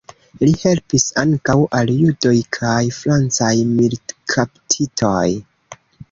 Li helpis ankaŭ al judoj kaj francaj militkaptitoj.